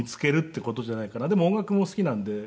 でも音楽も好きなんで。